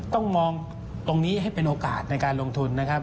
ต้องมองตรงนี้ให้เป็นโอกาสในการลงทุนนะครับ